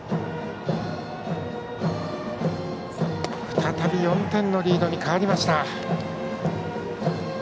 再び４点のリードに変わりました。